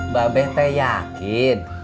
mbak be teh yakin